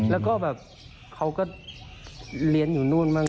แล้วก็แบบเขาก็เรียนอยู่นู่นมั่ง